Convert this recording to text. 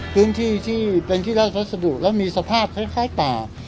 ที่เป็นที่ราชพัสดุแล้วมีสภาพคล้ายป่า